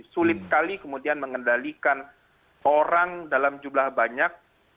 sulit sekali kemudian mengendalikan orang dalam jumlah banyak